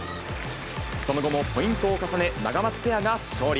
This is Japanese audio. その後もポイントを重ね、ナガマツペアが勝利。